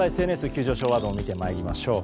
ＳＮＳ急上昇ワードを見ていきましょう。